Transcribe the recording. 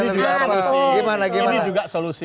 lebih apa gimana gimana ini juga solusi